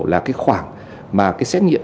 là cái khoảng mà cái xét nghiệm